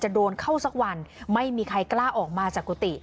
โดนเข้าสักวันไม่มีใครกล้าออกมาจากกุฏิ